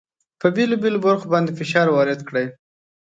په بېلو بېلو برخو باندې فشار وارد کړئ.